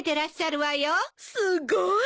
すごい！